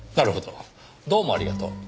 どうもありがとう。